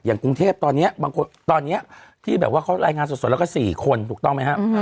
กรุงเทพตอนนี้บางคนตอนนี้ที่แบบว่าเขารายงานสดแล้วก็๔คนถูกต้องไหมครับ